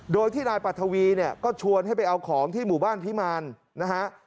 โดยที่นายปรัฐวีเนี่ยก็ชวนให้ไปเอาของที่หมู่บ้านพิมารนะฮะ